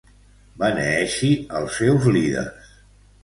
Beneeixi els seus líders.